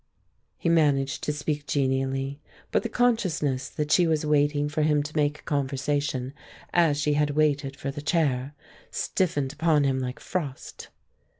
He managed to speak genially, but the consciousness that she was waiting for him to make conversation, as she had waited for the chair, stiffened upon him like frost.